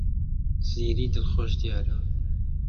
زیری دڵخۆش دیارە.